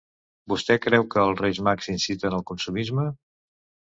Vostè creu que els Reis Mags inciten al consumisme?